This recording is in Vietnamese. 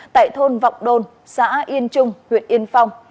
tại thôn vọng đôn xã yên trung huyện yên phong